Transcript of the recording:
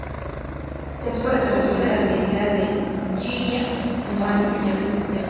Se encuentra al sur de la localidad de Llíria, en la calle Juan Izquierdo.